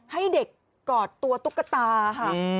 ให้เด็กกอดตัวตุ๊กตาค่ะ